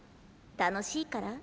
楽しいから？